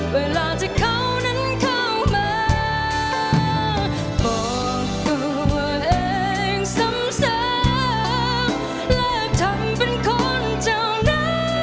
เวลาเจ้าเขานั้นเข้ามา